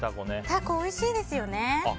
タコおいしいですよね。